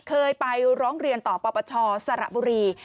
เคยไปร้องเรียนต่อปปชสระบุรี